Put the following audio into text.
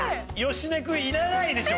芳根君いらないでしょ